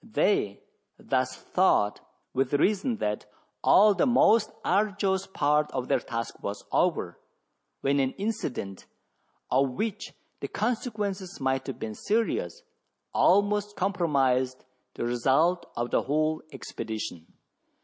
They thus thought with reason that all the most arduous part of their task was over, when an incident, of which the consequences might have been serious, almost compromised the result of the whole expedition.